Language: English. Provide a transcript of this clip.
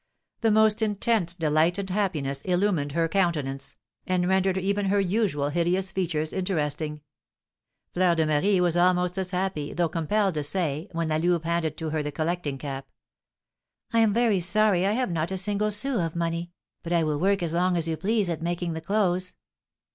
The most intense delight and happiness illumined her countenance, and rendered even her usual hideous features interesting. Fleur de Marie was almost as happy, though compelled to say, when La Louve handed to her the collecting cap: "I am very sorry I have not a single sou of money, but I will work as long as you please at making the clothes."